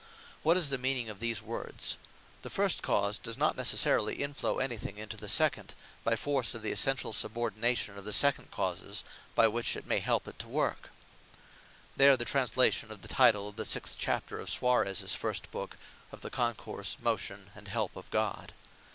What is the meaning of these words. "The first cause does not necessarily inflow any thing into the second, by force of the Essential subordination of the second causes, by which it may help it to worke?" They are the Translation of the Title of the sixth chapter of Suarez first Booke, Of The Concourse, Motion, And Help Of God.